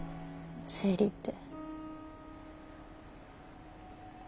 生理って。